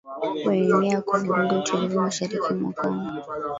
wenye nia ya kuvuruga utulivu mashariki mwa Kongo